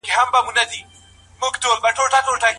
الله تعالی منځګړو ته کوم اسباب ورښيي؟